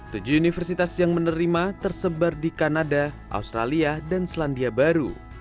tujuh universitas yang menerima tersebar di kanada australia dan selandia baru